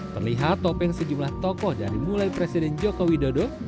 terlihat topeng sejumlah tokoh dari mulai presiden joko widodo